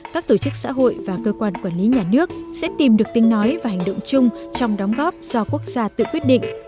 các tổ chức xã hội và cơ quan quản lý nhà nước sẽ tìm được tiếng nói và hành động chung trong đóng góp do quốc gia tự quyết định